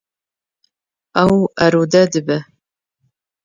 Ew arode dibe.